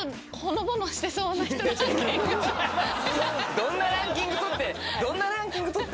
どんなランキング取ってんの。